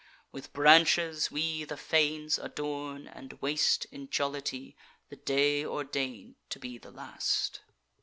With branches we the fanes adorn, and waste, In jollity, the day ordain'd to be the last.